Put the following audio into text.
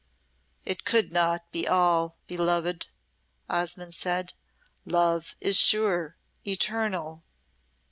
"It could not be all, beloved," Osmonde said. "Love is sure, eternal."